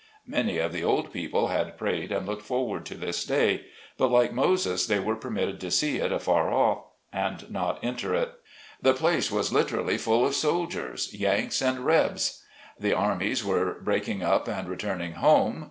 Many of the old people had prayed and looked forward to this day, but like Moses they were per. mitted to see it afar off, and not enter it. The place was literally full of soldiers, " Yanks" and " Rebs." The armies were breaking up and returning home.